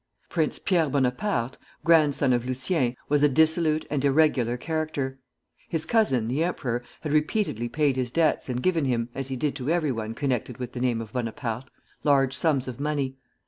Prince Pierre Bonaparte, grandson of Lucien, was a dissolute and irregular character. His cousin, the emperor, had repeatedly paid his debts and given him, as he did to every one connected with the name of Bonaparte, large sums of money.